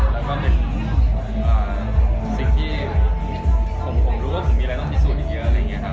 แล้วก็เป็นสิ่งที่ผมรู้ว่าผมมีอะไรต้องพิสูจน์เยอะอะไรอย่างนี้ครับ